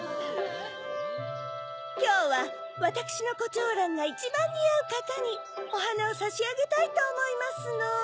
きょうはわたくしのコチョウランがいちばんにあうかたにおはなをさしあげたいとおもいますの。